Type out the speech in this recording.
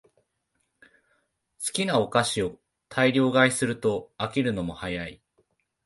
好きなお菓子を大量買いすると飽きるのも早い